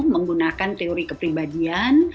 menggunakan teori kepribadian